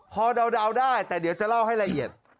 พอเดาได้แต่เดี๋ยวจะเล่าให้ละเอียด